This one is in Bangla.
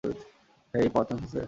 হেই, পাওয়ার চান্স আছে?